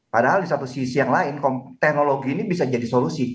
padahal di satu sisi yang lain teknologi ini bisa jadi solusi